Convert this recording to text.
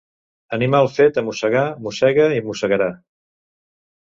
Animal fet a mossegar mossega i mossegarà.